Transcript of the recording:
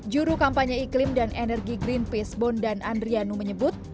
juru kampanye iklim dan energi greenpeace bondan andrianu menyebut